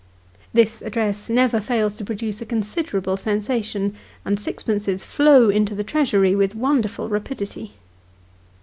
This address never fails to produce a considerable sensation, and sixpences flow into the treasury with wonderful rapidity.